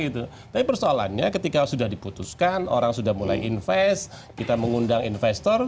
tapi persoalannya ketika sudah diputuskan orang sudah mulai invest kita mengundang investor